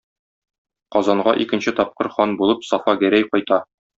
Казанга икенче тапкыр хан булып Сафа Гәрәй кайта.